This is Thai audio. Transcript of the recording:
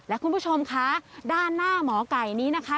และคุณผู้ชมคะด้านหน้าหมอไก่นี้นะคะ